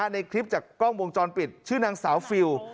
ในคลิปจากกล้องวงจรปิดชื่อนางสาวฟิล